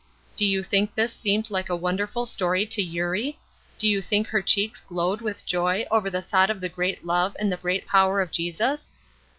Do you think this seemed like a wonderful story to Eurie? Do you think her cheeks glowed with joy over the thought of the great love and the great power of Jesus?